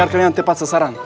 biar kalian tepat sasaran